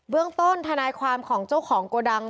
เรื่องต้นทนายความของเจ้าของโกดัง